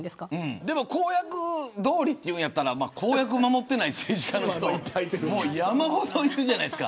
でも公約どおりというなら公約も守っていない政治家なんて山ほどいるじゃないですか。